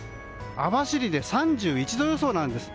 網走で３１度予想です。